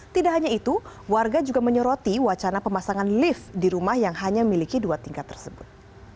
tidak hanya itu warga juga menyoroti wacana pemasangan lift di rumah yang hanya miliki dua tingkat tersebut